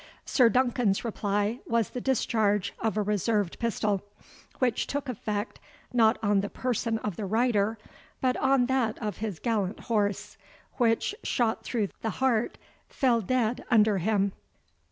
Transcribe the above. Sir Duncan's reply was the discharge of a reserved pistol, which took effect not on the person of the rider, but on that of his gallant horse, which, shot through the heart, fell dead under him.